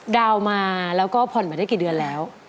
ดาวน์มาแล้วก็ผ่อนมาได้กี่เดือนแล้ว